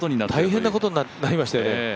大変なことになりましたよね